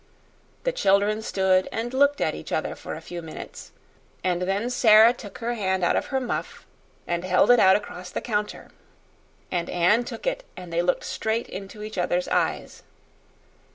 The children stood and looked at each other for a few minutes; and then Sara took her hand out of her muff and held it out across the counter, and Anne took it, and they looked straight into each other's eyes.